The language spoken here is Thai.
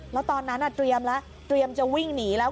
แล้วตอนนั้นเตรียมแล้วเตรียมจะวิ่งหนีแล้ว